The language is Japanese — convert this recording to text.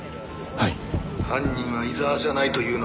はい。